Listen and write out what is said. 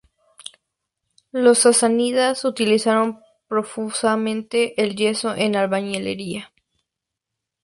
Los Sasánidas utilizaron profusamente el yeso en albañilería.